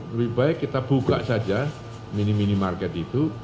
lebih baik kita buka saja mini mini market itu